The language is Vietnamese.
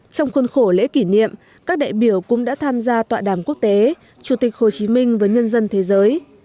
trong khuôn khổ lễ kỷ niệm các đại biểu cũng đã tham gia tọa đàm quốc tế chủ tịch hồ chí minh với nhân dân thế giới